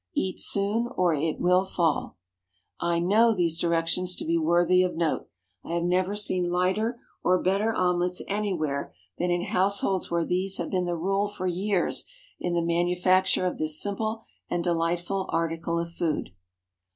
Eat soon, or it will fall. I know these directions to be worthy of note. I have never seen lighter or better omelettes anywhere than in households where these have been the rule for years in the manufacture of this simple and delightful article of food.